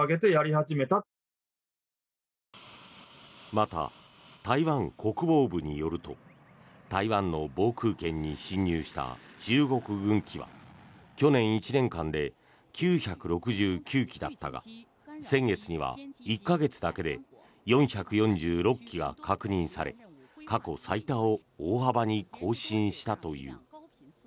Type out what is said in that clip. また、台湾国防部によると台湾の防空圏に進入した中国軍機は去年１年間で９６９機だったが先月には１か月だけで４４６機が確認され過去最多を大幅に更新したという。